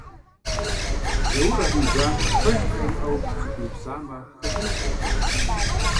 Зэур Алмэжан пэжыр жримыӏэу пцӏы хуиупсамэ, къелыну къыщӏэкӏынт.